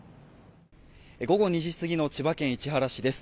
午後２時過ぎの千葉県市原市です。